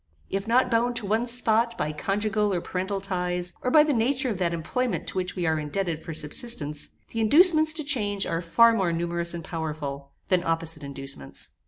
If not bound to one spot by conjugal or parental ties, or by the nature of that employment to which we are indebted for subsistence, the inducements to change are far more numerous and powerful, than opposite inducements.